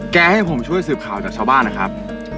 ให้ผมช่วยสืบข่าวจากชาวบ้านนะครับ